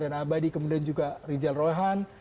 dan abadi kemudian juga rijal rohan